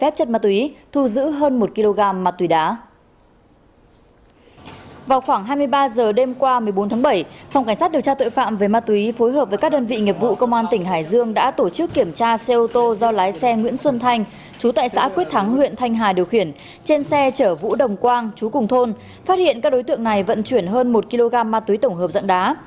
phòng cảnh sát điều tra tội phạm về ma túy phối hợp với các đơn vị nghiệp vụ công an tỉnh hải dương đã tổ chức kiểm tra xe ô tô do lái xe nguyễn xuân thanh chú tại xã quyết thắng huyện thanh hà điều khiển trên xe chở vũ đồng quang chú cùng thôn phát hiện các đối tượng này vận chuyển hơn một kg ma túy tổng hợp dạng đá